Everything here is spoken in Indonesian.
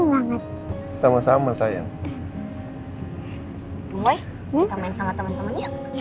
gemboy kita main sama teman teman yuk